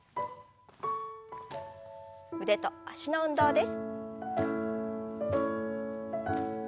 腕と脚の運動です。